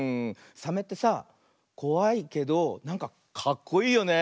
サメってさこわいけどなんかかっこいいよね。